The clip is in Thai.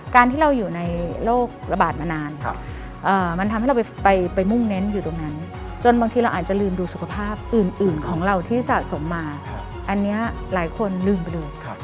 การที่เราอยู่ในโรคระบาดมานานมันทำให้เราไปมุ่งเน้นอยู่ตรงนั้นจนบางทีเราอาจจะลืมดูสุขภาพอื่นของเราที่สะสมมาอันนี้หลายคนลืมไปเลย